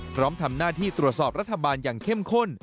พร้อมทำหน้าที่ตรวจสอบรัฐบาลอย่างเข้มข้น